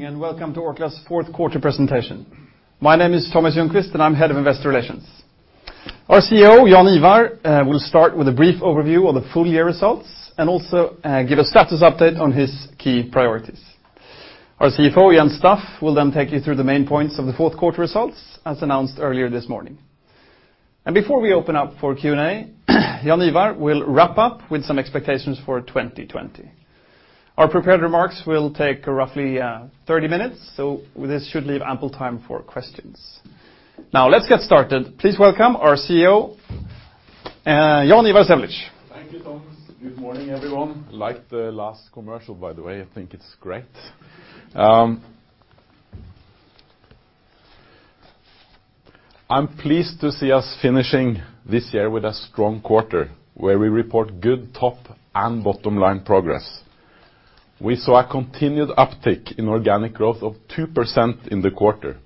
Good morning, and welcome to Orkla's fourth quarter presentation. My name is Thomas Ljungqvist, and I'm head of investor relations. Our CEO, Jaan Ivar, will start with a brief overview of the full-year results, and also give a status update on his key priorities. Our CFO, Jens Staff, will then take you through the main points of the fourth quarter results, as announced earlier this morning. Before we open up for Q&A, Jaan Ivar will wrap up with some expectations for 2020. Our prepared remarks will take roughly 30 minutes, so this should leave ample time for questions. Let's get started. Please welcome our CEO, Jaan Ivar Semlitsch. Thank you, Thomas. Good morning, everyone. I liked the last commercial, by the way. I think it's great. I'm pleased to see us finishing this year with a strong quarter, where we report good top and bottom-line progress. We saw a continued uptick in organic growth of 2% in the quarter,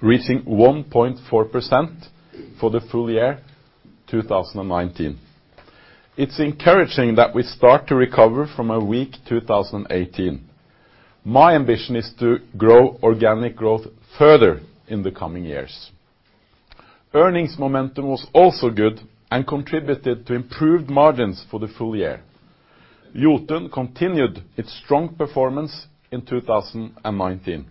reaching 1.4% for the full year 2019. It's encouraging that we start to recover from a weak 2018. My ambition is to grow organic growth further in the coming years. Earnings momentum was also good and contributed to improved margins for the full year. Jotun continued its strong performance in 2019.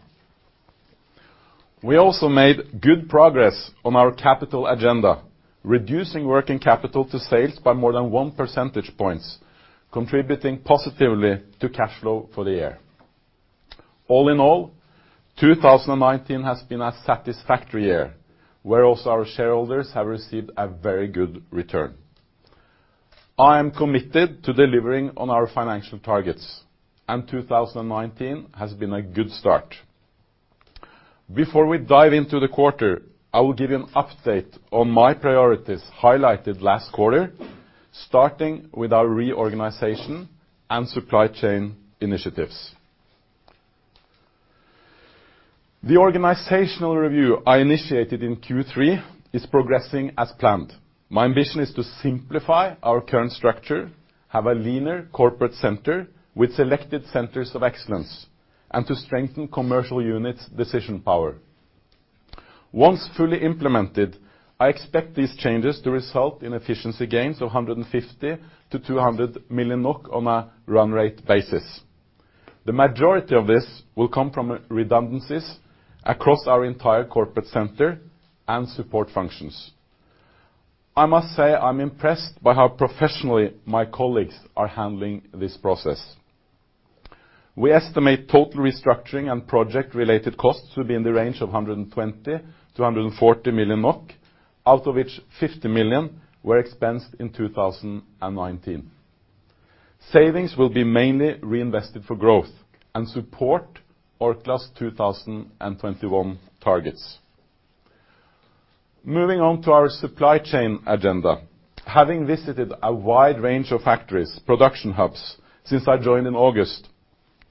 We also made good progress on our capital agenda, reducing working capital to sales by more than one percentage point, contributing positively to cash flow for the year. All in all, 2019 has been a satisfactory year, where also our shareholders have received a very good return. I am committed to delivering on our financial targets, and 2019 has been a good start. Before we dive into the quarter, I will give you an update on my priorities highlighted last quarter, starting with our reorganization and supply chain initiatives. The organizational review I initiated in Q3 is progressing as planned. My ambition is to simplify our current structure, have a leaner corporate center with selected centers of excellence, and to strengthen commercial units' decision power. Once fully implemented, I expect these changes to result in efficiency gains of 150 million-200 million NOK on a run rate basis. The majority of this will come from redundancies across our entire corporate center and support functions. I must say, I'm impressed by how professionally my colleagues are handling this process. We estimate total restructuring and project-related costs will be in the range of 120 million-140 million NOK, out of which 50 million were expensed in 2019. Savings will be mainly reinvested for growth and support Orkla's 2021 targets. Moving on to our supply chain agenda. Having visited a wide range of factories, production hubs, since I joined in August,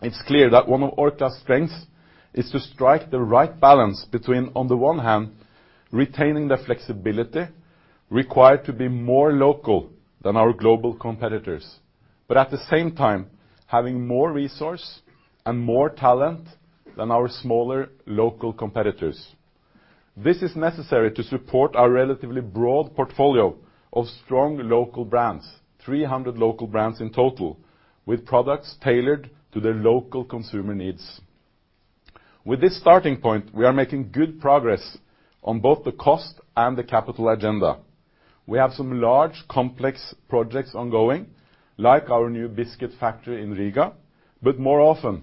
it's clear that one of Orkla's strengths is to strike the right balance between, on the one hand, retaining the flexibility required to be more local than our global competitors, but at the same time, having more resource and more talent than our smaller local competitors. This is necessary to support our relatively broad portfolio of strong local brands, 300 local brands in total, with products tailored to their local consumer needs. With this starting point, we are making good progress on both the cost and the capital agenda. We have some large complex projects ongoing, like our new biscuit factory in Riga, but more often,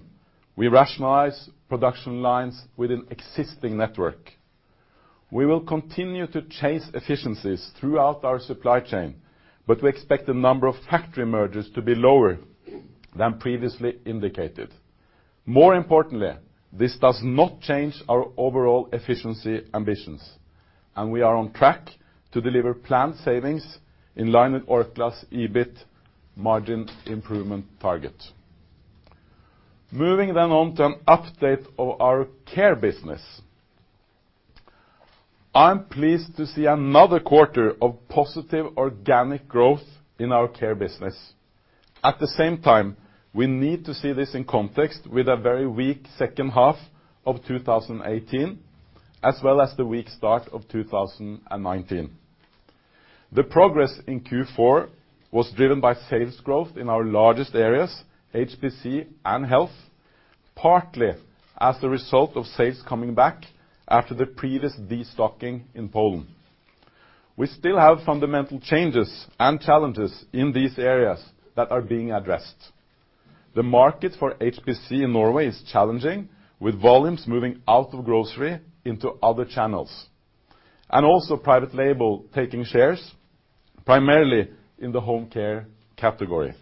we rationalize production lines with an existing network. We will continue to chase efficiencies throughout our supply chain, but we expect the number of factory mergers to be lower than previously indicated. More importantly, this does not change our overall efficiency ambitions, and we are on track to deliver planned savings in line with Orkla's EBIT margin improvement target. Moving on to an update of our care business. I'm pleased to see another quarter of positive organic growth in our care business. At the same time, we need to see this in context with a very weak second half of 2018, as well as the weak start of 2019. The progress in Q4 was driven by sales growth in our largest areas, HPC and health, partly as a result of sales coming back after the previous destocking in Poland. We still have fundamental changes and challenges in these areas that are being addressed. The market for HPC in Norway is challenging, with volumes moving out of grocery into other channels, and also private label taking shares, primarily in the home care category.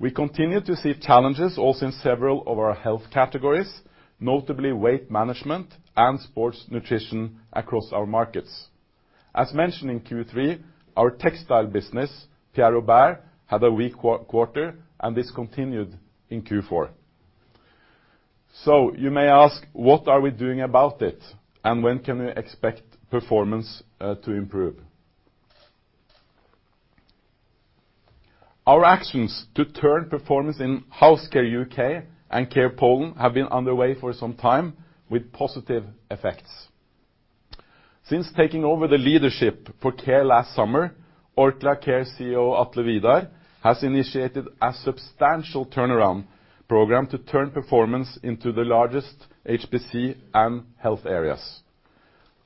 We continue to see challenges also in several of our health categories, notably weight management and sports nutrition across our markets. As mentioned in Q3, our textile business, Pierre Robert, had a weak quarter, and this continued in Q4. You may ask, what are we doing about it, and when can we expect performance to improve? Our actions to turn performance in Health Care UK and Care Poland have been underway for some time with positive effects. Since taking over the leadership for Care last summer, Orkla Care CEO Atle Vidar has initiated a substantial turnaround program to turn performance into the largest HPC and health areas.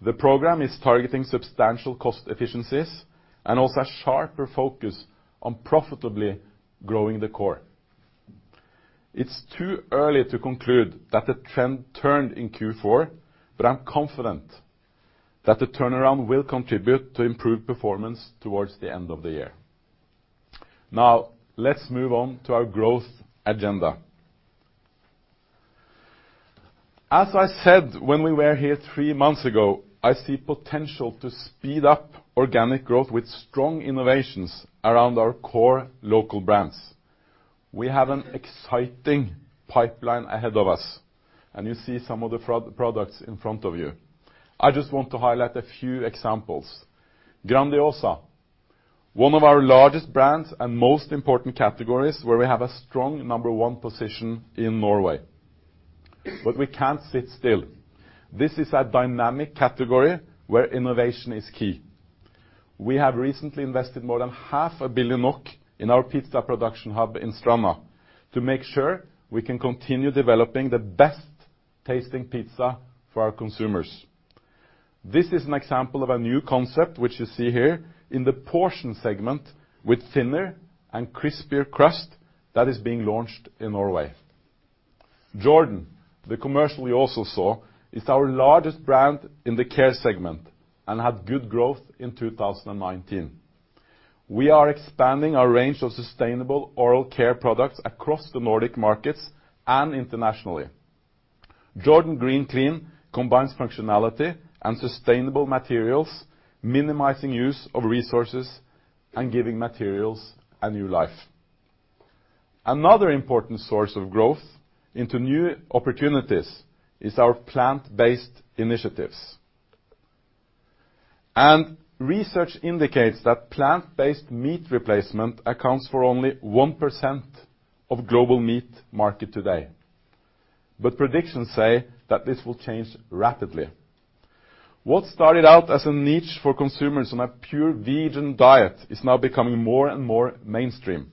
The program is targeting substantial cost efficiencies and also a sharper focus on profitably growing the core. It's too early to conclude that the trend turned in Q4, but I'm confident that the turnaround will contribute to improved performance towards the end of the year. Now, let's move on to our growth agenda. As I said when we were here three months ago, I see potential to speed up organic growth with strong innovations around our core local brands. We have an exciting pipeline ahead of us, and you see some of the products in front of you. I just want to highlight a few examples. Grandiosa, one of our largest brands and most important categories where we have a strong number one position in Norway. We can't sit still. This is a dynamic category where innovation is key. We have recently invested more than half a billion NOK in our pizza production hub in Stranda to make sure we can continue developing the best-tasting pizza for our consumers. This is an example of a new concept, which you see here, in the portion segment with thinner and crispier crust that is being launched in Norway. Jordan, the commercial we also saw, is our largest brand in the care segment and had good growth in 2019. We are expanding our range of sustainable oral care products across the Nordic markets and internationally. Jordan Green Clean combines functionality and sustainable materials, minimizing use of resources and giving materials a new life. Another important source of growth into new opportunities is our plant-based initiatives. Research indicates that plant-based meat replacement accounts for only 1% of global meat market today. Predictions say that this will change rapidly. What started out as a niche for consumers on a pure vegan diet is now becoming more and more mainstream.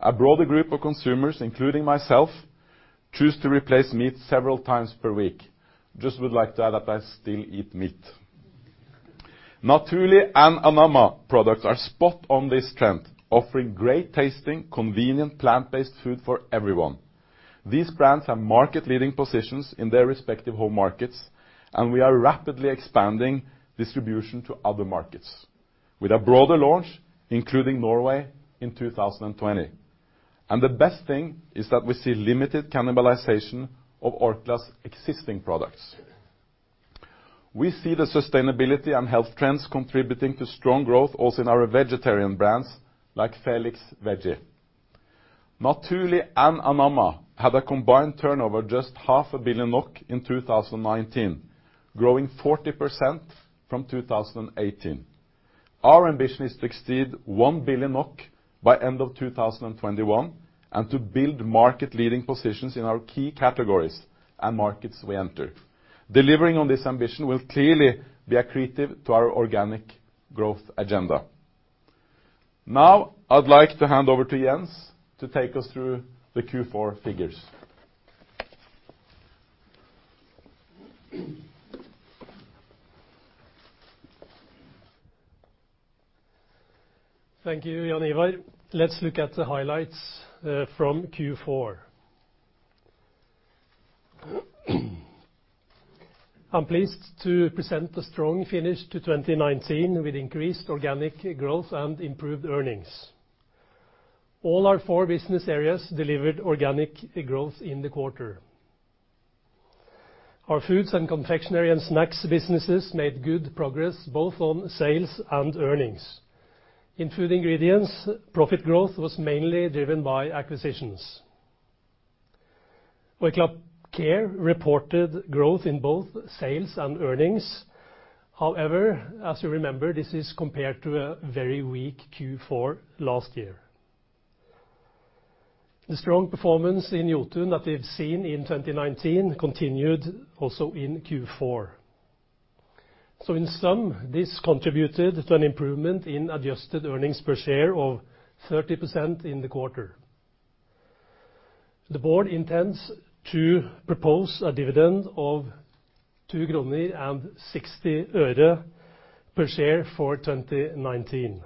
A broader group of consumers, including myself, choose to replace meat several times per week. Just would like to add that I still eat meat. Naturli' and Anamma products are spot on this trend, offering great-tasting, convenient, plant-based food for everyone. These brands have market-leading positions in their respective home markets, and we are rapidly expanding distribution to other markets with a broader launch, including Norway in 2020. The best thing is that we see limited cannibalization of Orkla's existing products. We see the sustainability and health trends contributing to strong growth also in our vegetarian brands like Felix Veggie. Naturli' and Anamma had a combined turnover just half a billion NOK in 2019, growing 40% from 2018. Our ambition is to exceed 1 billion NOK by end of 2021 and to build market-leading positions in our key categories and markets we enter. Delivering on this ambition will clearly be accretive to our organic growth agenda. I'd like to hand over to Jens to take us through the Q4 figures Thank you, Jaan Ivar. Let's look at the highlights from Q4. I'm pleased to present a strong finish to 2019 with increased organic growth and improved earnings. All our four business areas delivered organic growth in the quarter. Our foods and confectionery and snacks businesses made good progress both on sales and earnings. In Food Ingredients, profit growth was mainly driven by acquisitions. Orkla Care reported growth in both sales and earnings. As you remember, this is compared to a very weak Q4 last year. The strong performance in Jotun that we've seen in 2019 continued also in Q4. In sum, this contributed to an improvement in adjusted earnings per share of 30% in the quarter. The board intends to propose a dividend of 2.60 kroner per share for 2019.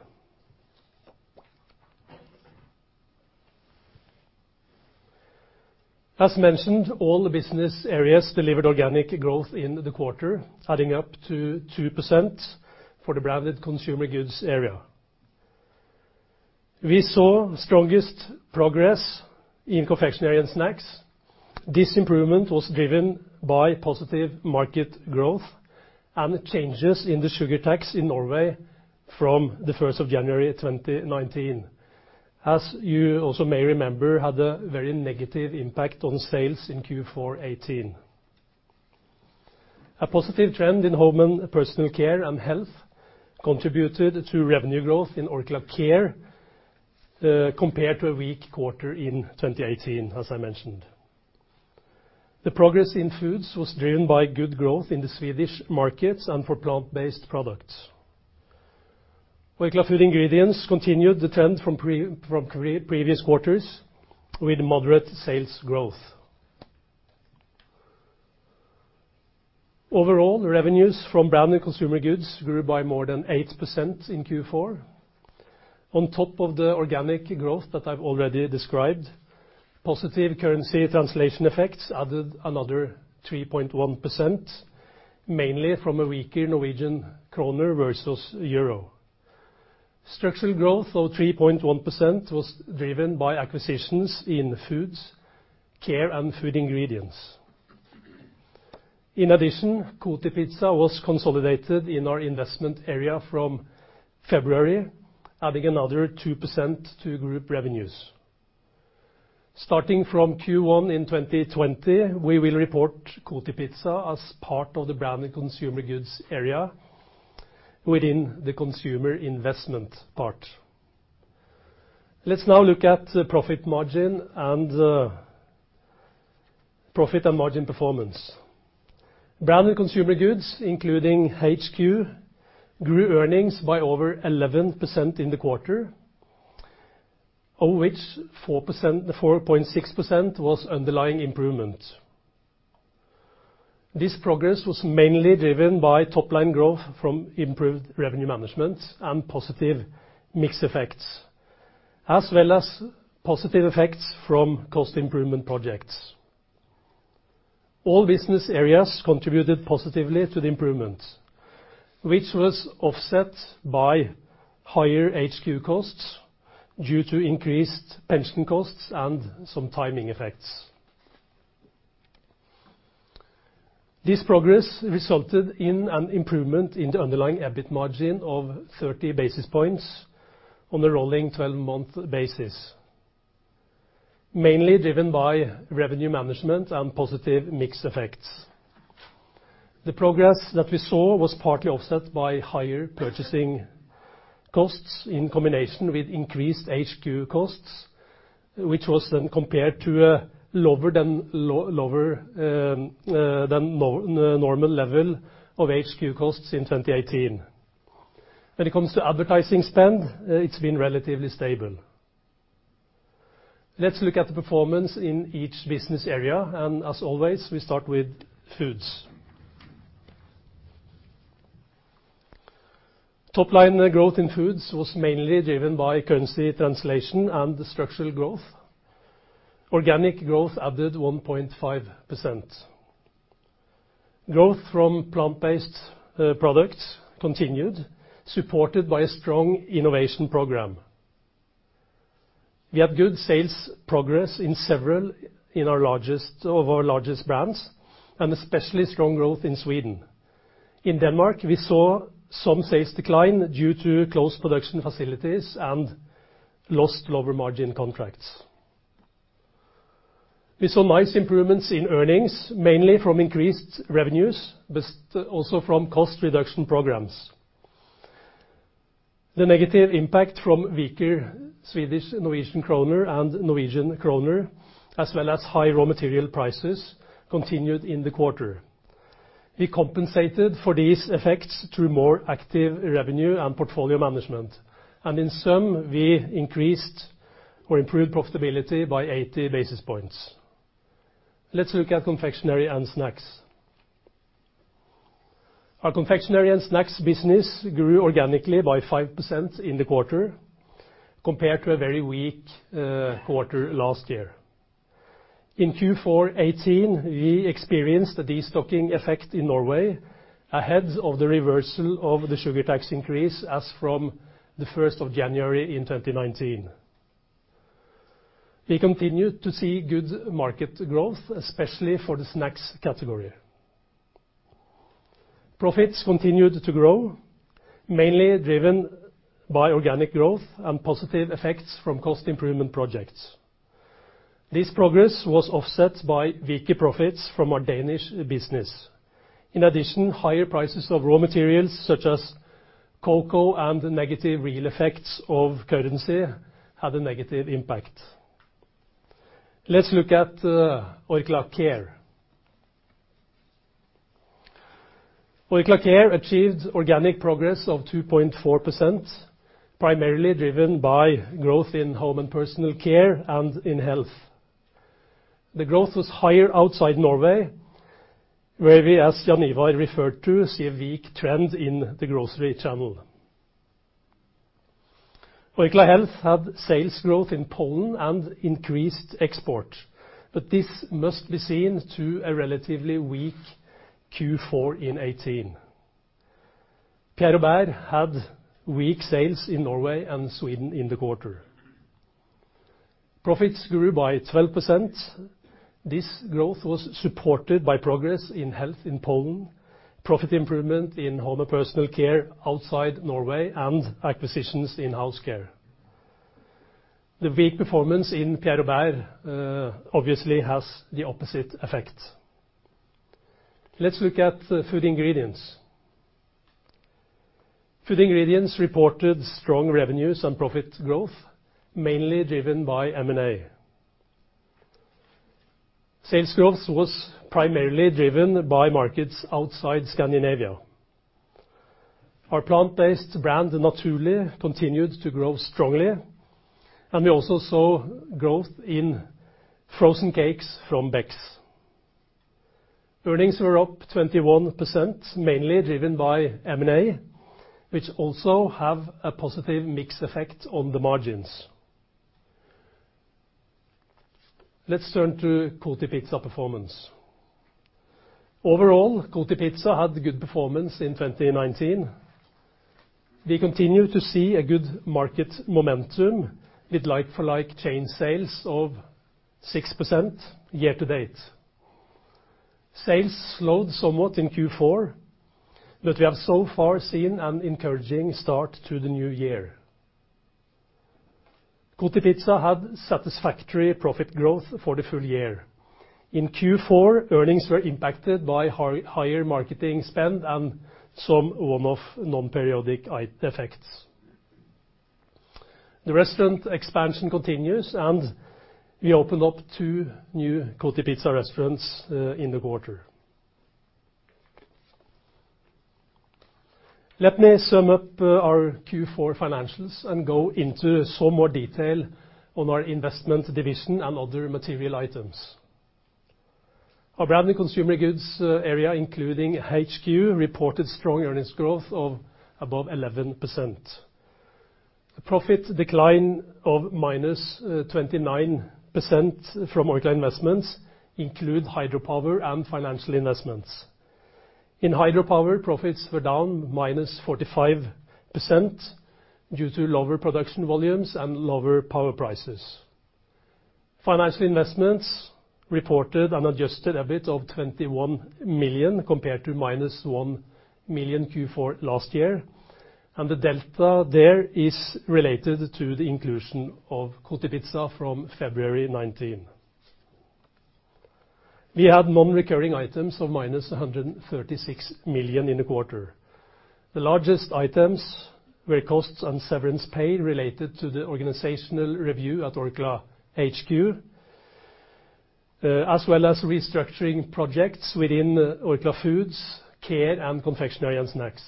As mentioned, all the business areas delivered organic growth in the quarter, adding up to 2% for the Branded Consumer Goods area. We saw strongest progress in confectionery and snacks. This improvement was driven by positive market growth and changes in the sugar tax in Norway from the 1st of January 2019. As you also may remember, had a very negative impact on sales in Q4 2018. A positive trend in home and personal care and health contributed to revenue growth in Orkla Care, compared to a weak quarter in 2018, as I mentioned. The progress in foods was driven by good growth in the Swedish markets and for plant-based products. Orkla Food Ingredients continued the trend from previous quarters with moderate sales growth. Overall, the revenues from Branded Consumer Goods grew by more than 8% in Q4. On top of the organic growth that I've already described, positive currency translation effects added another 3.1%, mainly from a weaker Norwegian kroner versus euro. Structural growth of 3.1% was driven by acquisitions in foods, care, and food ingredients. In addition, Kotipizza was consolidated in our investment area from February, adding another 2% to group revenues. Starting from Q1 in 2020, we will report Kotipizza as part of the Branded Consumer Goods area within the consumer investment part. Let's now look at the profit and margin performance. Branded Consumer Goods, including HQ, grew earnings by over 11% in the quarter, of which 4.6% was underlying improvement. This progress was mainly driven by top-line growth from improved revenue management and positive mix effects, as well as positive effects from cost improvement projects. All business areas contributed positively to the improvement, which was offset by higher HQ costs due to increased pension costs and some timing effects. This progress resulted in an improvement in the underlying EBIT margin of 30 basis points on the rolling 12-month basis, mainly driven by revenue management and positive mix effects. The progress that we saw was partly offset by higher purchasing costs in combination with increased HQ costs, which was then compared to a lower than normal level of HQ costs in 2018. When it comes to advertising spend, it's been relatively stable. As always, we start with Foods. Top-line growth in Foods was mainly driven by currency translation and structural growth. Organic growth added 1.5%. Growth from plant-based products continued, supported by a strong innovation program. We had good sales progress in several of our largest brands, and especially strong growth in Sweden. In Denmark, we saw some sales decline due to closed production facilities and lost lower-margin contracts. We saw nice improvements in earnings, mainly from increased revenues, but also from cost reduction programs. The negative impact from weaker Swedish and Norwegian kroner, as well as high raw material prices, continued in the quarter. We compensated for these effects through more active revenue and portfolio management, and in some, we increased or improved profitability by 80 basis points. Let's look at confectionery and snacks. Our confectionery and snacks business grew organically by 5% in the quarter, compared to a very weak quarter last year. In Q4 2018, we experienced a de-stocking effect in Norway ahead of the reversal of the sugar tax increase as from the 1st of January 2019. We continued to see good market growth, especially for the snacks category. Profits continued to grow, mainly driven by organic growth and positive effects from cost improvement projects. This progress was offset by weaker profits from our Danish business. Higher prices of raw materials such as cocoa and the negative real effects of currency had a negative impact. Let's look at Orkla Care. Orkla Care achieved organic progress of 2.4%, primarily driven by growth in Home and Personal Care and in Health. The growth was higher outside Norway, where we, as Jaan Ivar referred to, see a weak trend in the grocery channel. Orkla Health had sales growth in Poland and increased export, this must be seen to a relatively weak Q4 in 2018. Pierre Robert had weak sales in Norway and Sweden in the quarter. Profits grew by 12%. This growth was supported by progress in health in Poland, profit improvement in home and personal care outside Norway, and acquisitions in house care. The weak performance in Pierre Robert obviously has the opposite effect. Let's look at food ingredients. Food ingredients reported strong revenues and profit growth, mainly driven by M&A. Sales growth was primarily driven by markets outside Scandinavia. Our plant-based brand, Naturli', continued to grow strongly, and we also saw growth in frozen cakes from Beck's. Earnings were up 21%, mainly driven by M&A, which also have a positive mix effect on the margins. Let's turn to Kotipizza performance. Overall, Kotipizza had good performance in 2019. We continue to see a good market momentum with like-for-like chain sales of 6% year-to-date. Sales slowed somewhat in Q4, but we have so far seen an encouraging start to the new year. Kotipizza had satisfactory profit growth for the full year. In Q4, earnings were impacted by higher marketing spend and some one-off non-periodic effects. The restaurant expansion continues, and we opened up two new Kotipizza restaurants in the quarter. Let me sum up our Q4 financials and go into some more detail on our investment division and other material items. Our Branded Consumer Goods area, including HQ, reported strong earnings growth of above 11%. The profit decline of -29% from Orkla Investments include hydropower and financial investments. In hydropower, profits were down -45% due to lower production volumes and lower power prices. Financial investments reported an adjusted EBIT of 21 million compared to -1 million Q4 last year. The delta there is related to the inclusion of Kotipizza from February 2019. We had non-recurring items of -136 million in the quarter. The largest items were costs and severance pay related to the organizational review at Orkla HQ, as well as restructuring projects within Orkla Foods, Care and Confectionery and Snacks.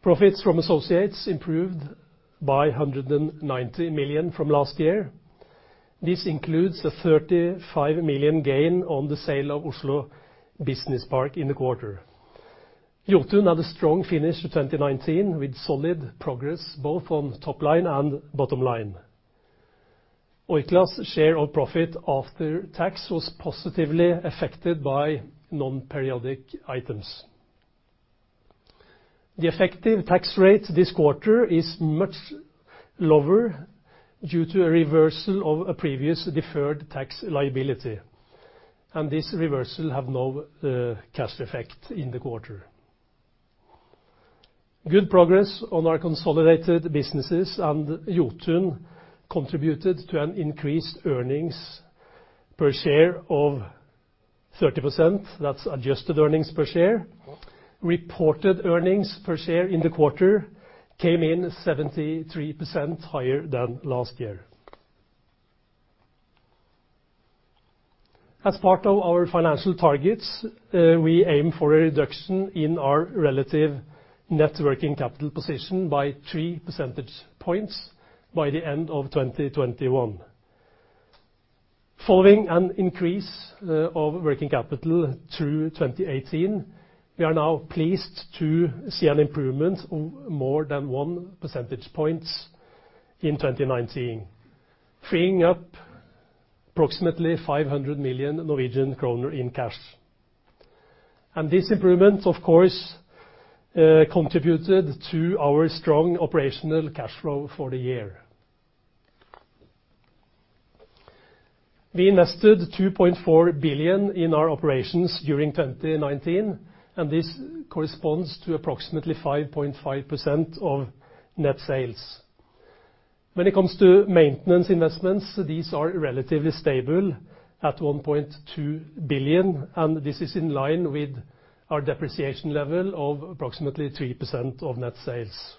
Profits from associates improved by 190 million from last year. This includes a 35 million gain on the sale of Oslo Business Park in the quarter. Jotun had a strong finish to 2019, with solid progress both on top line and bottom line. Orkla's share of profit after tax was positively affected by non-periodic items. The effective tax rate this quarter is much lower due to a reversal of a previous deferred tax liability, and this reversal have no cash effect in the quarter. Good progress on our consolidated businesses and Jotun contributed to an increased earnings per share of 30%. That's adjusted earnings per share. Reported earnings per share in the quarter came in 73% higher than last year. As part of our financial targets, we aim for a reduction in our relative net working capital position by three percentage points by the end of 2021. Following an increase of working capital through 2018, we are now pleased to see an improvement of more than one percentage points in 2019, freeing up approximately 500 million Norwegian kroner in cash. This improvement, of course, contributed to our strong operational cash flow for the year. We invested 2.4 billion in our operations during 2019. This corresponds to approximately 5.5% of net sales. When it comes to maintenance investments, these are relatively stable at 1.2 billion. This is in line with our depreciation level of approximately 3% of net sales.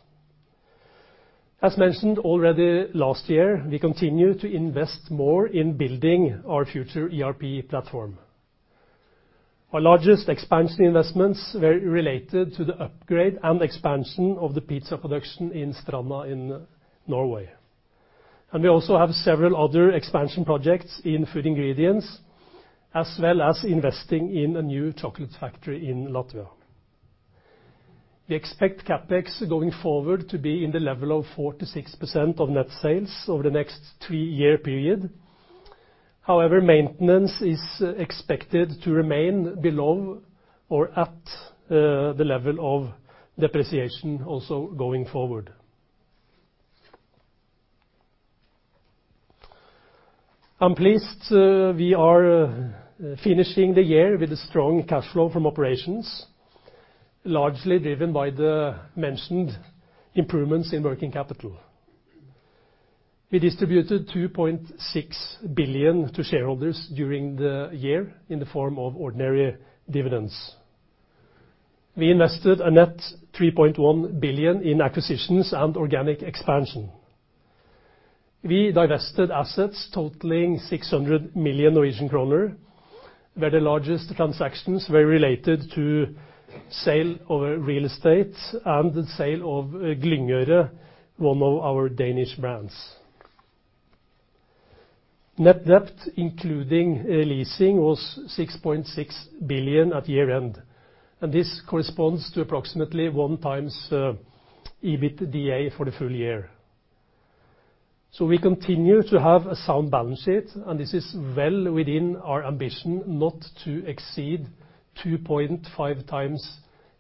As mentioned already last year, we continue to invest more in building our future ERP platform. Our largest expansion investments were related to the upgrade and expansion of the pizza production in Stranda in Norway. We also have several other expansion projects in Orkla Food Ingredients, as well as investing in a new chocolate factory in Latvia. We expect CapEx going forward to be in the level of 4%-6% of net sales over the next three-year period. However, maintenance is expected to remain below or at the level of depreciation also going forward. I'm pleased we are finishing the year with a strong cash flow from operations, largely driven by the mentioned improvements in working capital. We distributed 2.6 billion to shareholders during the year in the form of ordinary dividends. We invested a net 3.1 billion in acquisitions and organic expansion. We divested assets totaling 600 million Norwegian kroner, where the largest transactions were related to sale of real estate and the sale of Glyngøre, one of our Danish brands. Net debt, including leasing, was 6.6 billion at year-end. This corresponds to approximately 1x EBITDA for the full year. We continue to have a sound balance sheet, and this is well within our ambition not to exceed 2.5x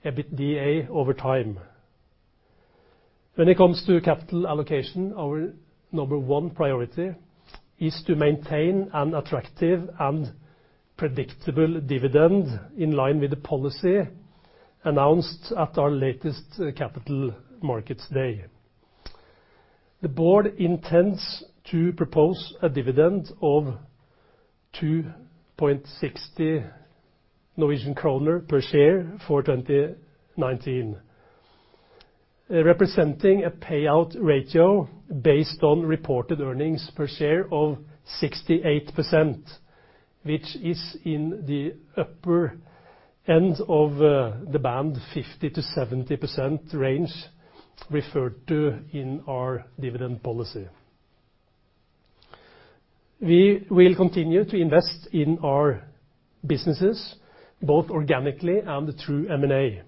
EBITDA over time. When it comes to capital allocation, our number one priority is to maintain an attractive and predictable dividend in line with the policy announced at our latest capital markets day. The board intends to propose a dividend of 2.60 Norwegian kroner per share for 2019, representing a payout ratio based on reported earnings per share of 68%, which is in the upper end of the 50%-70% range referred to in our dividend policy. We will continue to invest in our businesses both organically and through M&A.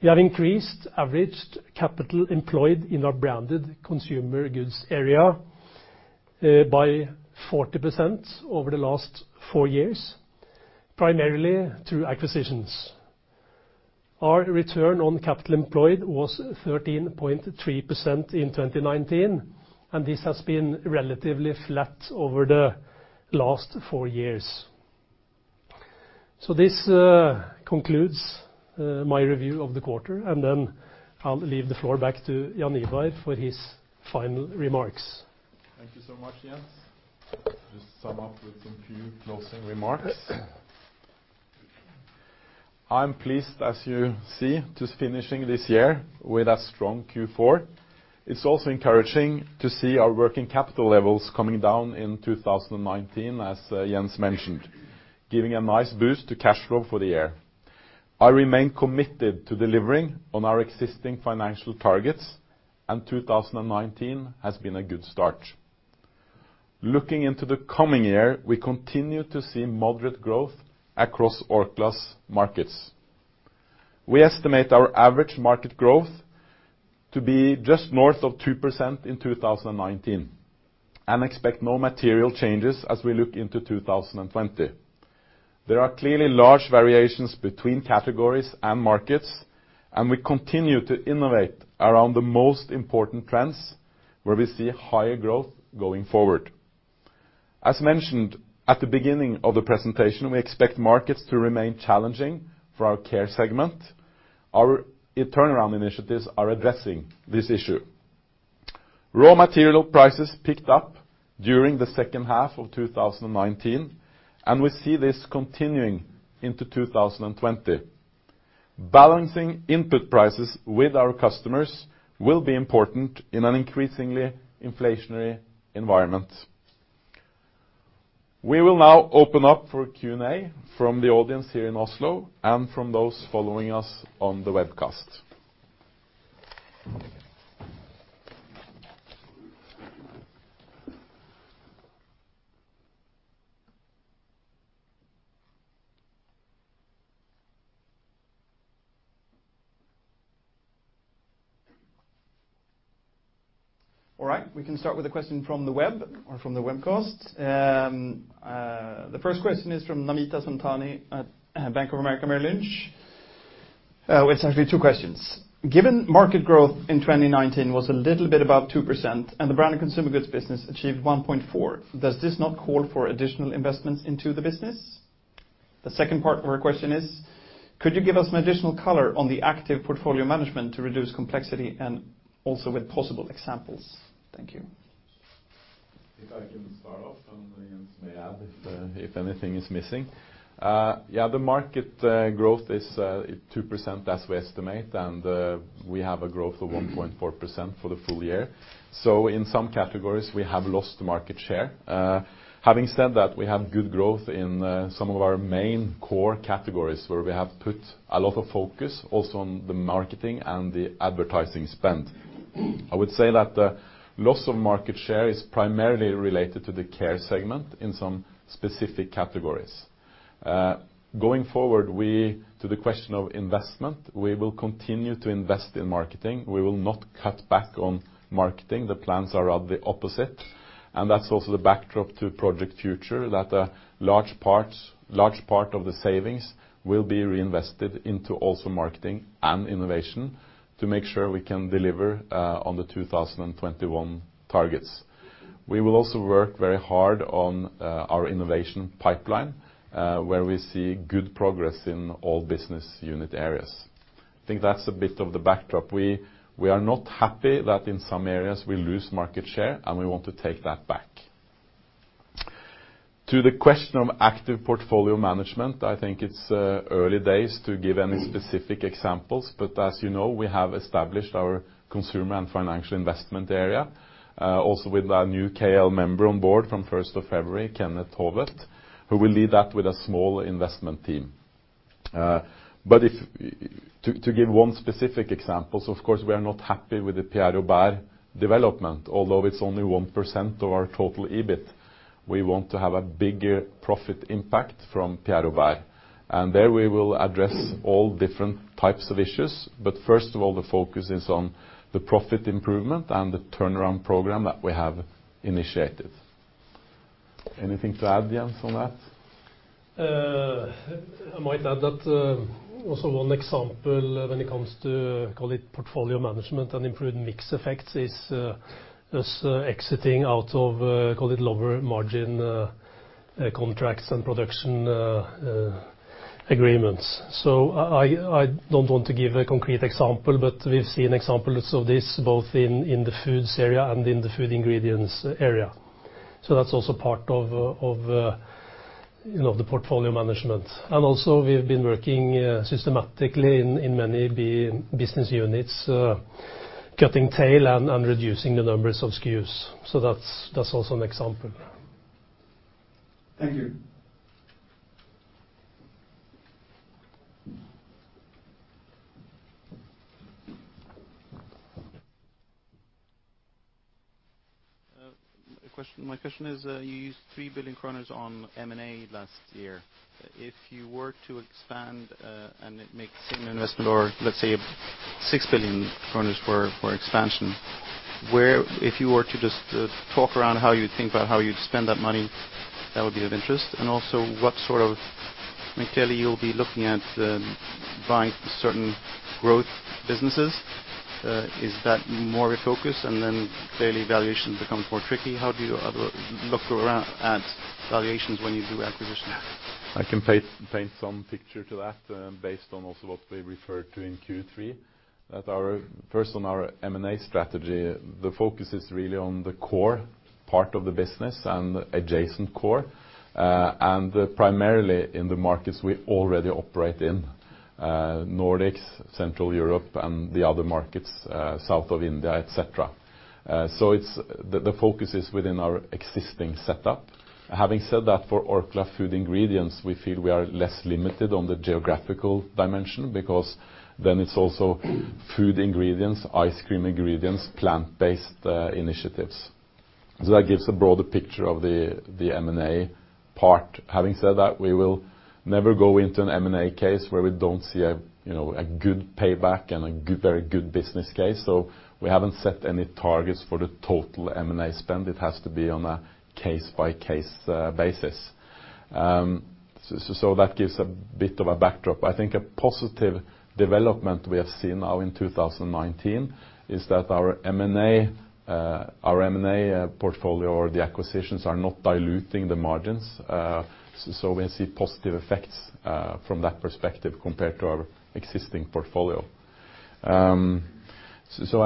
We have increased average capital employed in our Branded Consumer Goods area by 40% over the last four years, primarily through acquisitions. Our return on capital employed was 13.3% in 2019, and this has been relatively flat over the last four years. This concludes my review of the quarter, and then I'll leave the floor back to Jaan Ivar for his final remarks. Thank you so much, Jens. Sum up with a few closing remarks. I'm pleased, as you see, to finishing this year with a strong Q4. It's also encouraging to see our working capital levels coming down in 2019, as Jens mentioned, giving a nice boost to cash flow for the year. I remain committed to delivering on our existing financial targets. 2019 has been a good start. Looking into the coming year, we continue to see moderate growth across Orkla's markets. We estimate our average market growth to be just north of 2% in 2019. Expect no material changes as we look into 2020. There are clearly large variations between categories and markets. We continue to innovate around the most important trends where we see higher growth going forward. As mentioned at the beginning of the presentation, we expect markets to remain challenging for our Care segment. Our turnaround initiatives are addressing this issue. Raw material prices picked up during the second half of 2019, and we see this continuing into 2020. Balancing input prices with our customers will be important in an increasingly inflationary environment. We will now open up for Q&A from the audience here in Oslo and from those following us on the webcast. All right. We can start with a question from the web or from the webcast. The first question is from Namita Santani at Bank of America Merrill Lynch. It's actually two questions. Given market growth in 2019 was a little bit above 2% and the Branded Consumer Goods business achieved 1.4%, does this not call for additional investments into the business? The second part of her question is, could you give us some additional color on the active portfolio management to reduce complexity and also with possible examples? Thank you. If I can start off, and Jens may add if anything is missing. Yeah, the market growth is at 2% as we estimate, and we have a growth of 1.4% for the full year. In some categories, we have lost market share. Having said that, we have good growth in some of our main core categories where we have put a lot of focus also on the marketing and the advertising spend. I would say that the loss of market share is primarily related to the Care segment in some specific categories. Going forward, to the question of investment, we will continue to invest in marketing. We will not cut back on marketing. The plans are of the opposite, That's also the backdrop to Project Future, that a large part of the savings will be reinvested into also marketing and innovation to make sure we can deliver on the 2021 targets. We will also work very hard on our innovation pipeline, where we see good progress in all business unit areas. I think that's a bit of the backdrop. We are not happy that in some areas we lose market share, We want to take that back. To the question of active portfolio management, I think it's early days to give any specific examples, As you know, we have established our Consumer and Financial Investment area, also with a new GEL member on board from 1st of February, Kenneth Haavet, who will lead that with a small investment team. To give one specific example, of course, we are not happy with the Pierre Robert development, although it's only 1% of our total EBIT. We want to have a bigger profit impact from Pierre Robert. There we will address all different types of issues. First of all, the focus is on the profit improvement and the turnaround program that we have initiated. Anything to add, Jens, on that? I might add that also one example when it comes to call it portfolio management and improved mix effects is us exiting out of call it lower margin contracts and production agreements. I don't want to give a concrete example, but we've seen examples of this both in the Foods area and in the Food Ingredients area. That's also part of the portfolio management. Also, we've been working systematically in many business units, cutting tail and reducing the numbers of SKUs. That's also an example. Thank you. My question is, you used 3 billion kroner on M&A last year. If you were to expand, and it makes significant investment or let's say 6 billion kroner for expansion, if you were to just talk around how you think about how you'd spend that money, that would be of interest. Also, clearly you'll be looking at buying certain growth businesses. Is that more a focus and then clearly valuation becomes more tricky? How do you look around at valuations when you do acquisitions? I can paint some picture to that based on also what we referred to in Q3, that first on our M&A strategy, the focus is really on the core part of the business and adjacent core, and primarily in the markets we already operate in, Nordics, Central Europe, and the other markets, south of India, et cetera. The focus is within our existing setup. Having said that, for Orkla Food Ingredients, we feel we are less limited on the geographical dimension because then it's also food ingredients, ice cream ingredients, plant-based initiatives. That gives a broader picture of the M&A part. Having said that, we will never go into an M&A case where we don't see a good payback and a very good business case. We haven't set any targets for the total M&A spend. It has to be on a case-by-case basis. That gives a bit of a backdrop. I think a positive development we have seen now in 2019 is that our M&A portfolio or the acquisitions are not diluting the margins. We see positive effects from that perspective compared to our existing portfolio. I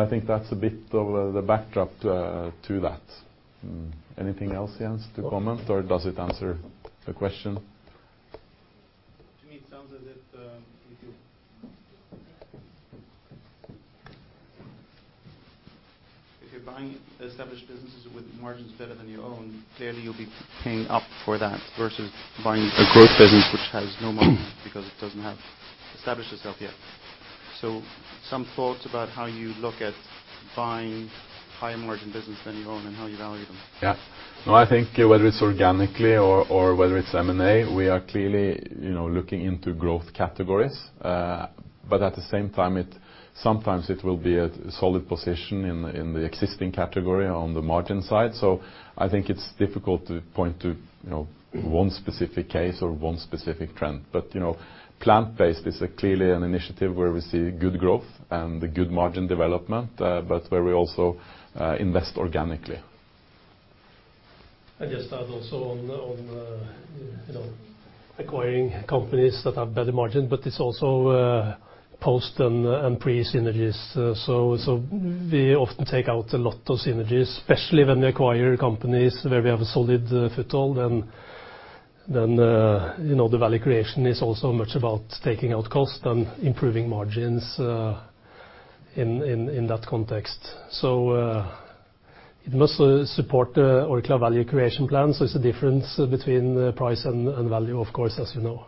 think that's a bit of the backdrop to that. Anything else, Jens, to comment, or does it answer the question? To me, it sounds as if you're buying established businesses with margins better than your own, clearly you'll be paying up for that versus buying a growth business which has no margin because it doesn't have established itself yet. Some thoughts about how you look at buying higher margin business than you own and how you value them. Yeah. No, I think whether it's organically or whether it's M&A, we are clearly looking into growth categories. At the same time, sometimes it will be a solid position in the existing category on the margin side. I think it's difficult to point to one specific case or one specific trend. Plant-based is clearly an initiative where we see good growth and a good margin development, but where we also invest organically. I just add also on acquiring companies that have better margin, but it's also post and pre-synergies. We often take out a lot of synergies, especially when we acquire companies where we have a solid foothold, then the value creation is also much about taking out cost and improving margins in that context. It must support the Orkla value creation plan. It's a difference between price and value, of course, as you know.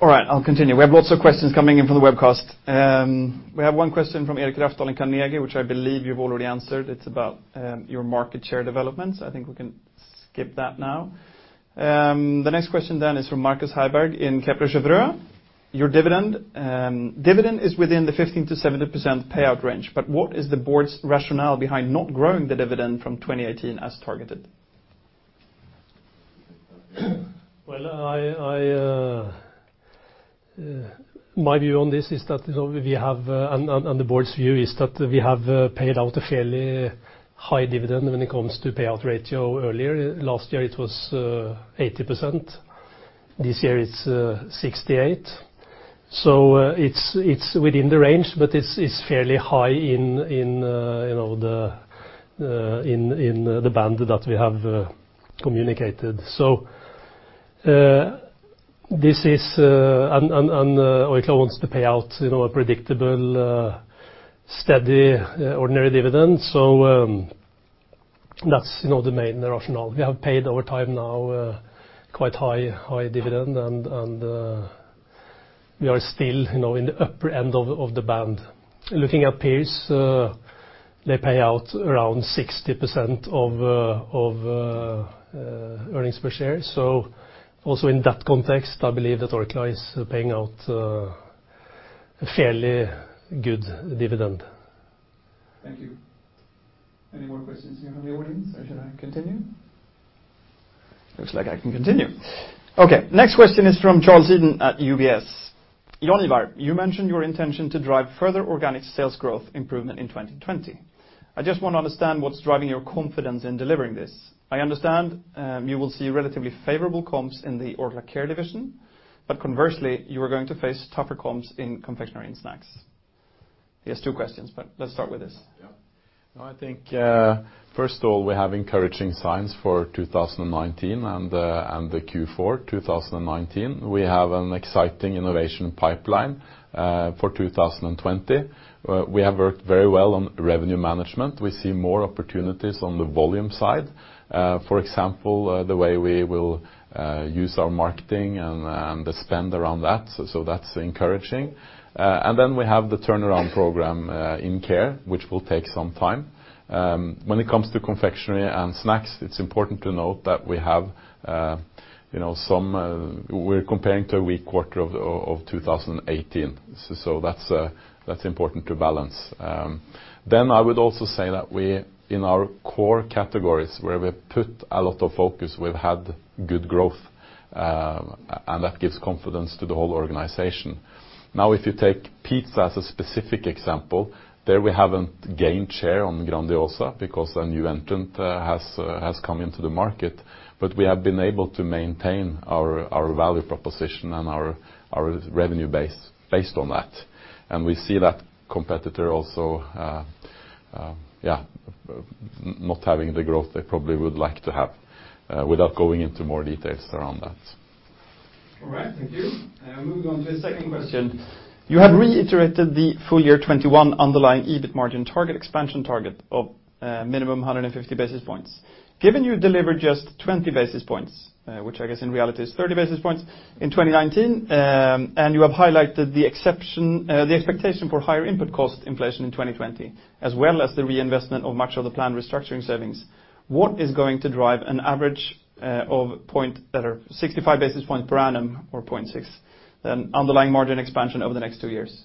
All right, I'll continue. We have lots of questions coming in from the webcast. We have one question from Eirik Rafdal, Carnegie, which I believe you've already answered. It's about your market share developments. I think we can skip that now. The next question is from Marcus Heiberg in Kepler Cheuvreux. Your dividend is within the 15%-70% payout range, what is the board's rationale behind not growing the dividend from 2018 as targeted? Well, my view on this is that we have, and the board's view is that we have paid out a fairly high dividend when it comes to payout ratio earlier. Last year it was 80%. This year it's 68. It's within the range, but it's fairly high in the band that we have communicated. Orkla wants to pay out a predictable, steady, ordinary dividend. That's the main rationale. We have paid over time now quite high dividend, and we are still in the upper end of the band. Looking at peers, they pay out around 60% of earnings per share. Also in that context, I believe that Orkla is paying out a fairly good dividend. Thank you. Any more questions here from the audience, or should I continue? Looks like I can continue. Okay. Next question is from Charles Eden at UBS. Jaan Ivar, you mentioned your intention to drive further organic sales growth improvement in 2020. I just want to understand what's driving your confidence in delivering this. I understand you will see relatively favorable comps in the Orkla Care division. Conversely, you are going to face tougher comps in confectionery and snacks. He has two questions. Let's start with this. We have encouraging signs for 2019 and the Q4 2019. We have an exciting innovation pipeline for 2020, where we have worked very well on revenue management. We see more opportunities on the volume side. For example, the way we will use our marketing and the spend around that. That's encouraging. We have the turnaround program in Care, which will take some time. When it comes to confectionery and snacks, it's important to note that we're comparing to a weak quarter of 2018. That's important to balance. I would also say that in our core categories, where we've put a lot of focus, we've had good growth, and that gives confidence to the whole organization. Now, if you take pizza as a specific example, there we haven't gained share on Grandiosa because a new entrant has come into the market. We have been able to maintain our value proposition and our revenue base based on that. We see that competitor also not having the growth they probably would like to have, without going into more details around that. All right, thank you. Moving on to his second question. You have reiterated the full year 2021 underlying EBIT margin target expansion target of a minimum 150 basis points. Given you delivered just 20 basis points, which I guess in reality is 30 basis points, in 2019, and you have highlighted the expectation for higher input cost inflation in 2020, as well as the reinvestment of much of the planned restructuring savings, what is going to drive an average of 65 basis points per annum, or 0.6, then underlying margin expansion over the next two years?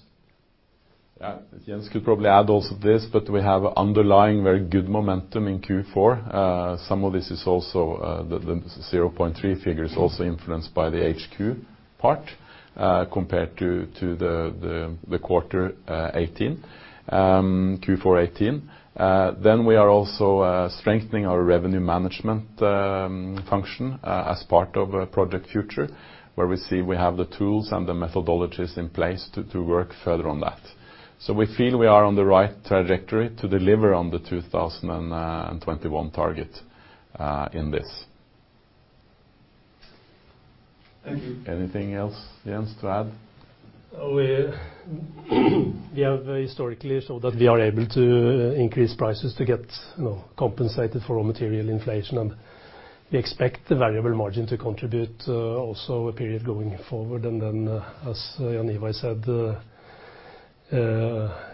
Jens could probably add also to this, but we have underlying, very good momentum in Q4. Some of this is also, the 0.3 figure is also influenced by the HQ part, compared to the quarter 2018, Q4 2018. We are also strengthening our revenue management function as part of Project Future, where we see we have the tools and the methodologies in place to work further on that. We feel we are on the right trajectory to deliver on the 2021 target in this. Thank you. Anything else, Jens, to add? We have historically shown that we are able to increase prices to get compensated for raw material inflation, and we expect the variable margin to contribute also a period going forward. Then, as Jaan Ivar said,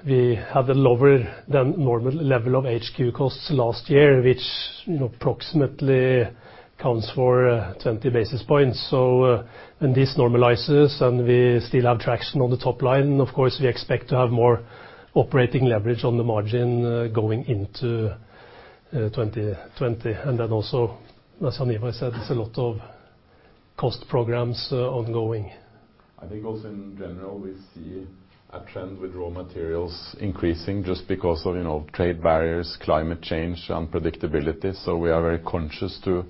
we had a lower than normal level of HQ costs last year, which approximately accounts for 20 basis points. When this normalizes and we still have traction on the top line, of course, we expect to have more operating leverage on the margin going into 2020. Then also, as Jaan Ivar said, there's a lot of cost programs ongoing. I think also in general, we see a trend with raw materials increasing just because of trade barriers, climate change, unpredictability. We are very conscious to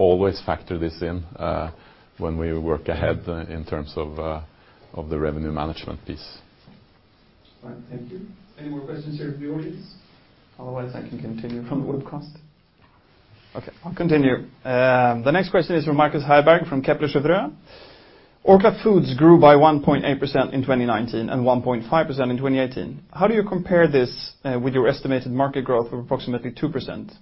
always factor this in when we work ahead in terms of the revenue management piece. All right, thank you. Any more questions here from the audience? Otherwise I can continue from the webcast. Okay, I'll continue. The next question is from Marcus Heiberg from Kepler Cheuvreux. Orkla Foods grew by 1.8% in 2019 and 1.5% in 2018. How do you compare this with your estimated market growth of approximately 2%?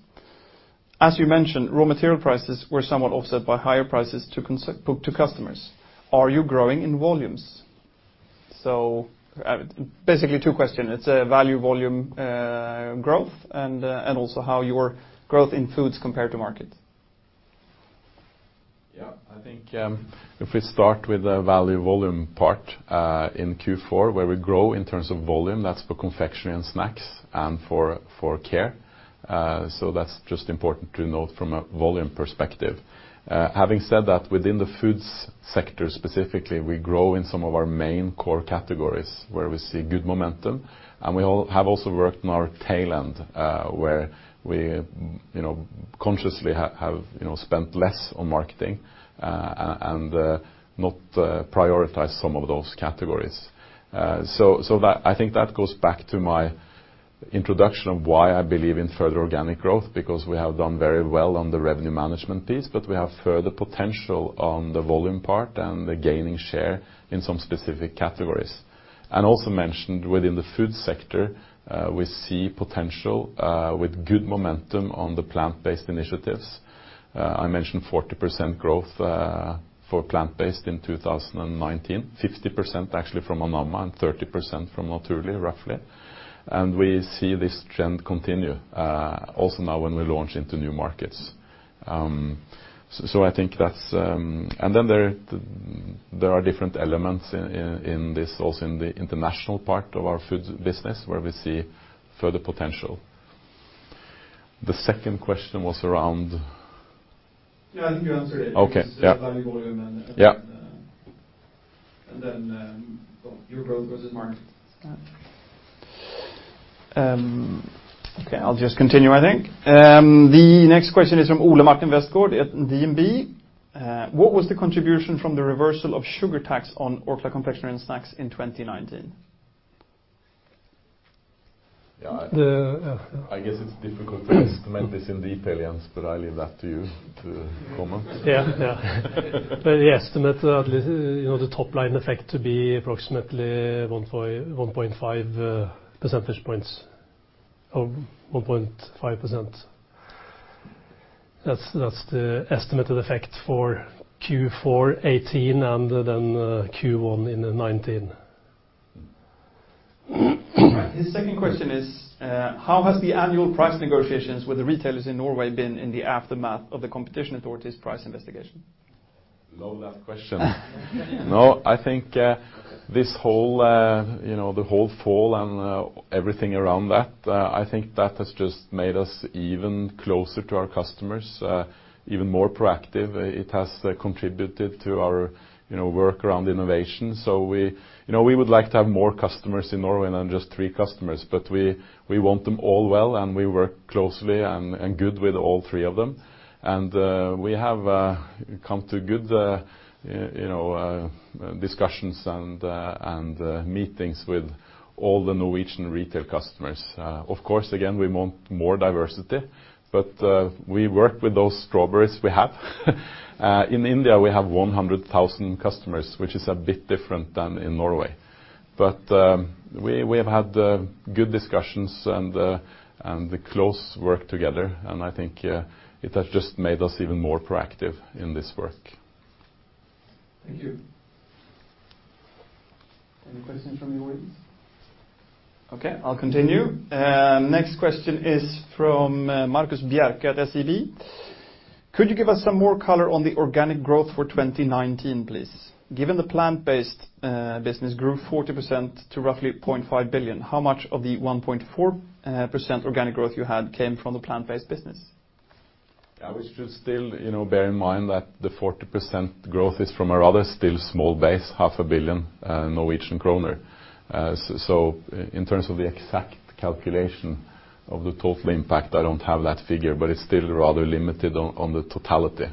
As you mentioned, raw material prices were somewhat offset by higher prices to customers. Are you growing in volumes? Basically two questions. It's value volume growth and also how your growth in foods compare to market. Yeah, I think if we start with the value volume part, in Q4 where we grow in terms of volume, that's for confectionery and snacks and for Care. That's just important to note from a volume perspective. Having said that, within the Foods sector specifically, we grow in some of our main core categories where we see good momentum, and we have also worked on our tail end where we consciously have spent less on marketing, and not prioritize some of those categories. I think that goes back to my introduction of why I believe in further organic growth, because we have done very well on the revenue management piece, but we have further potential on the volume part and the gaining share in some specific categories. Also mentioned within the Foods sector, we see potential with good momentum on the plant-based initiatives. I mentioned 40% growth for plant-based in 2019, 50% actually from Anamma, and 30% from Naturli', roughly. We see this trend continue also now when we launch into new markets. Then there are different elements in this also in the international part of our foods business where we see further potential. The second question was around? Yeah, I think you answered it. Okay. Yeah. Volume and then- Yeah Your growth versus market. Okay, I'll just continue, I think. The next question is from Ole Martin Westgaard at DNB. What was the contribution from the reversal of sugar tax on Orkla confectionery snacks in 2019? Yeah. The- Yeah. I guess it's difficult to estimate this in detail, Jens, but I'll leave that to you to comment. Yeah. We estimate the top line effect to be approximately 1.5 percentage points or 1.5%. That's the estimated effect for Q4 2018 and then Q1 in 2019. All right. His second question is, how has the annual price negotiations with the retailers in Norway been in the aftermath of the competition authority's price investigation? Love that question. I think the whole fall and everything around that, I think that has just made us even closer to our customers, even more proactive. It has contributed to our work around innovation. We would like to have more customers in Norway than just three customers, but we want them all well, and we work closely and good with all three of them. We have come to good discussions and meetings with all the Norwegian retail customers. Of course, again, we want more diversity, but, we work with those strawberries we have. In India, we have 100,000 customers, which is a bit different than in Norway. We have had good discussions and the close work together, and I think it has just made us even more proactive in this work. Thank you. Any questions from the audience? Okay, I'll continue. Next question is from Marcus Bjerke at SEB. Could you give us some more color on the organic growth for 2019, please? Given the plant-based business grew 40% to roughly 0.5 billion, how much of the 1.4% organic growth you had came from the plant-based business? We should still bear in mind that the 40% growth is from a rather still small base, half a billion NOK. In terms of the exact calculation of the total impact, I don't have that figure, but it's still rather limited on the totality.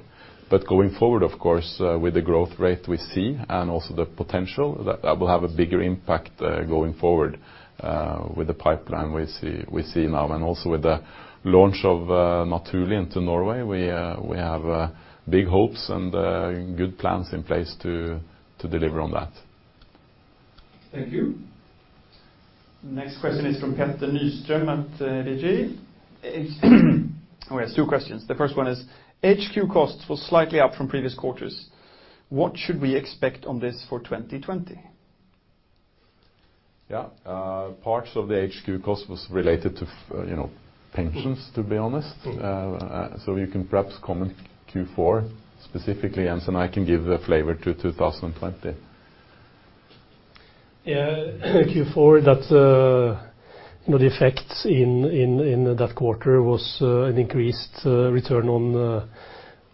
Going forward, of course, with the growth rate we see and also the potential, that will have a bigger impact going forward, with the pipeline we see now and also with the launch of Naturli' into Norway. We have big hopes and good plans in place to deliver on that. Thank you. Next question is from Petter Nystrøm at DNB. Oh, yes, two questions. The first one is, HQ costs were slightly up from previous quarters. What should we expect on this for 2020? Yeah. Parts of the HQ cost was related to pensions, to be honest. You can perhaps comment Q4 specifically, Jens, and I can give the flavor to 2020. Yeah. Q4, the effects in that quarter was an increased return on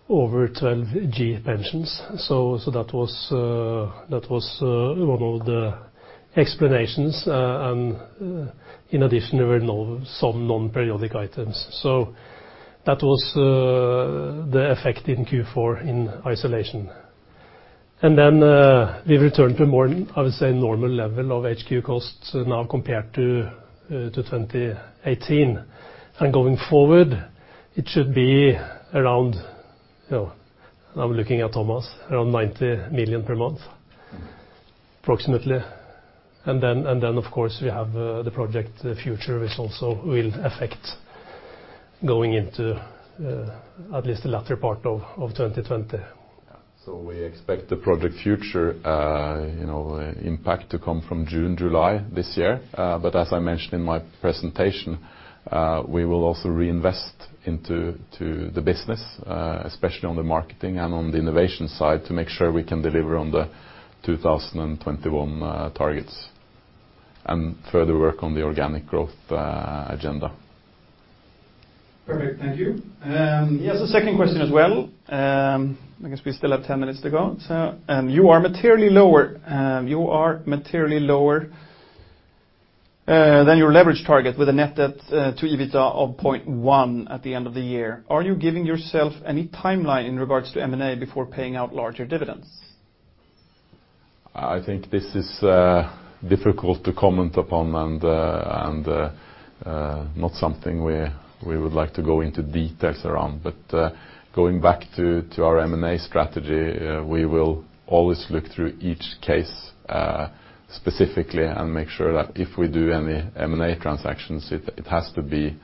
over 12G pensions. That was one of the explanations. In addition, there were some non-periodic items. That was the effect in Q4 in isolation. Then, we returned to more, I would say, normal level of HQ costs now compared to 2018. Going forward, it should be around, I'm looking at Thomas, around 90 million per month approximately. Then, of course, we have the Project Future, which also will affect going into at least the latter part of 2020. Yeah. We expect the Project Future impact to come from June, July this year. As I mentioned in my presentation, we will also reinvest into the business, especially on the marketing and on the innovation side, to make sure we can deliver on the 2021 targets and further work on the organic growth agenda. Perfect. Thank you. He has a second question as well. I guess we still have 10 minutes to go. You are materially lower than your leverage target with a net debt to EBITDA of 0.1 at the end of the year. Are you giving yourself any timeline in regards to M&A before paying out larger dividends? I think this is difficult to comment upon and not something we would like to go into details around. Going back to our M&A strategy, we will always look through each case specifically and make sure that if we do any M&A transactions, it has to be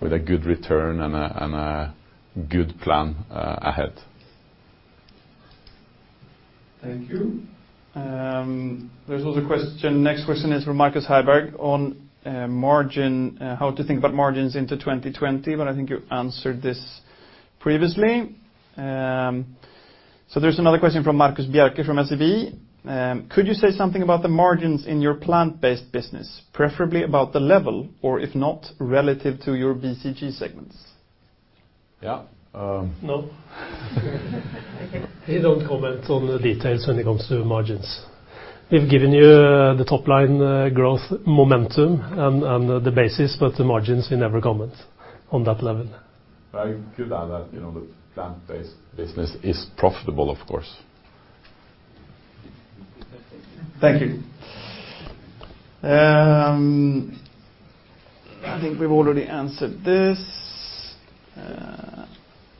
with a good return and a good plan ahead. Thank you. There's another question. Next question is from Marcus Heiberg on margin. How to think about margins into 2020, but I think you answered this previously. There's another question from Marcus Bjerke from SEB. Could you say something about the margins in your plant-based business, preferably about the level or if not, relative to your BCG segments? Yeah. No. We don't comment on the details when it comes to margins. We've given you the top-line growth momentum and the basis, but the margins, we never comment on that level. I could add that the plant-based business is profitable, of course. Thank you. I think we've already answered this.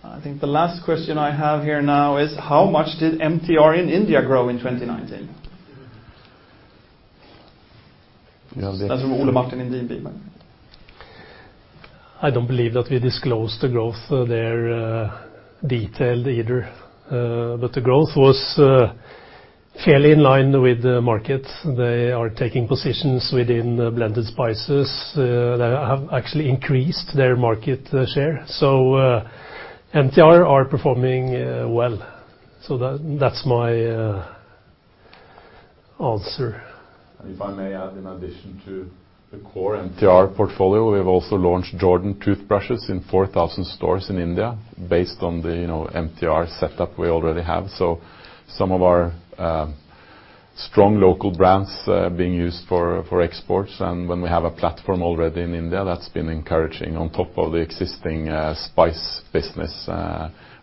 I think the last question I have here now is how much did MTR in India grow in 2019? That's from Ole Martin in DNB. I don't believe that we disclosed the growth there detailed either. The growth was fairly in line with the market. They are taking positions within blended spices. They have actually increased their market share. MTR are performing well, so that's my answer. If I may add, in addition to the core MTR portfolio, we have also launched Jordan toothbrushes in 4,000 stores in India based on the MTR setup we already have. Some of our strong local brands are being used for exports. When we have a platform already in India, that's been encouraging on top of the existing spice business,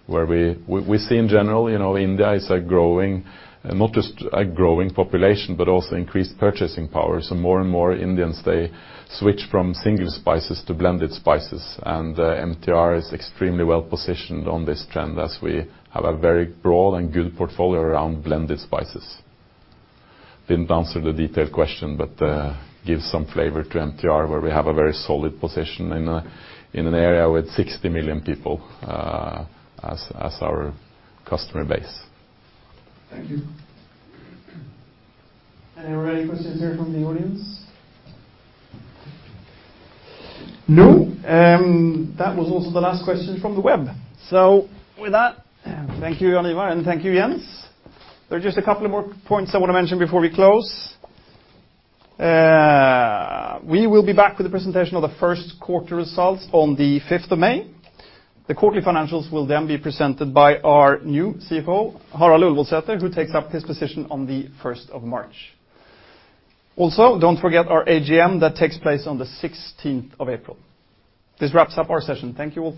where we see in general, India is a growing, not just a growing population, but also increased purchasing power. More and more Indians, they switch from single spices to blended spices. MTR is extremely well-positioned on this trend as we have a very broad and good portfolio around blended spices. Didn't answer the detailed question, but give some flavor to MTR, where we have a very solid position in an area with 60 million people as our customer base. Thank you. Are there any questions here from the audience? No. That was also the last question from the web. With that, thank you, Jaan Ivar, and thank you, Jens. There are just a couple of more points I want to mention before we close. We will be back with the presentation of the first quarter results on the 5th of May. The quarterly financials will then be presented by our new CFO, Harald Ullevoldsæter, who takes up his position on the 1st of March. Don't forget our AGM that takes place on the 16th of April. This wraps up our session. Thank you all for listening.